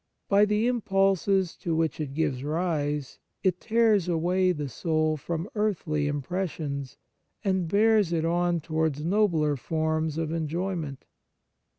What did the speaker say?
By the impulses to which it gives rise, it tears away the soul from earthly impressions, and bears it on towards nobler forms of en joyment.